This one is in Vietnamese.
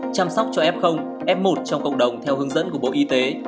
chăm sóc cho f f một trong cộng đồng theo hướng dẫn của bộ y tế